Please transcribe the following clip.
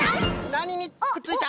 なににくっついた？